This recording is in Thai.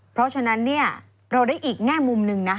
เพราะฉะนั้นเนี่ยเราได้อีกแง่มุมหนึ่งนะ